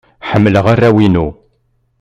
Ḥemmleɣ arraw-inu.